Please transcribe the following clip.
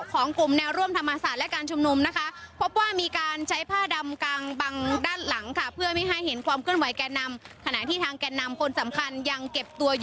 ของกลุ่มแนวร่วมธรรมศาสตร์และการชุมนุมนะคะ